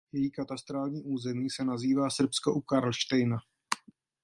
Její katastrální území se nazývá Srbsko u Karlštejna.